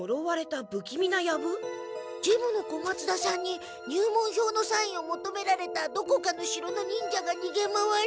事務の小松田さんに入門票のサインをもとめられたどこかの城の忍者がにげ回り。